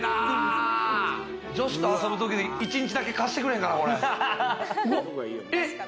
女子と遊ぶとき、１日だけ貸してくれへんかな。